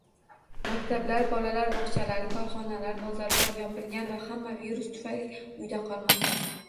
Maktablar, bolalar bog'chalari, korxonalar, bozorlar yopilgan va hamma virus tufayli uyda qolmoqda